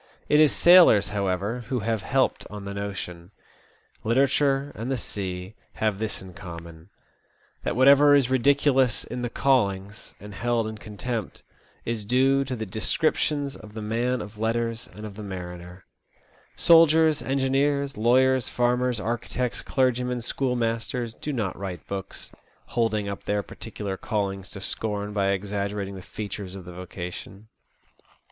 It is sailors, however, who have helped on the notion. Literature and the sea have this THE OLD SEA DOG. 109 in common— that whatever is ridiculous in the caUings, and held in contempt, is due to the descriptions of the man of letters and of the mariner. Soldiers, engineers, lawyers, farmers, architects, clergymen, schoolmasters do not write books, holding up their particular callings to scorn by exaggerating the features of the vocation.